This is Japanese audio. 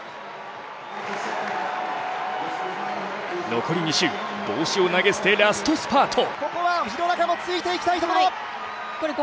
残り２周、帽子を投げ捨てラストスパート。